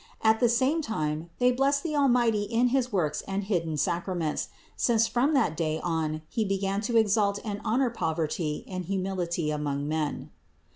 At the same time they blessed the Almighty in his works and hidden sacra ments, since from that day on He began to exalt and honor poverty and humility among men.